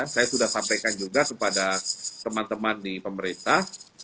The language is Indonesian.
saya sudah sampaikan juga kepada teman teman di pemerintah